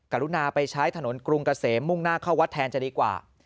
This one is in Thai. รุณาไปใช้ถนนกรุงเกษมมุ่งหน้าเข้าวัดแทนจะดีกว่า